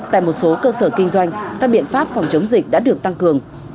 tại một số cơ sở kinh doanh các biện pháp phòng chống dịch đã được tăng cường